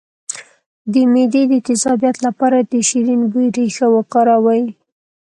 د معدې د تیزابیت لپاره د شیرین بویې ریښه وکاروئ